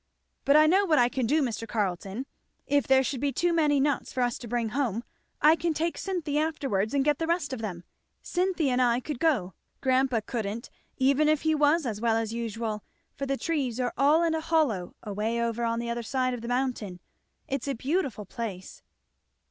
But I know what I can do, Mr. Carleton, if there should be too many nuts for us to bring home I can take Cynthy afterwards and get the rest of them. Cynthy and I could go grandpa couldn't even if he was as well as usual, for the trees are in a hollow away over on the other side of the mountain. It's a beautiful place."